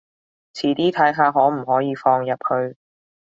遲啲睇下可唔可以放入去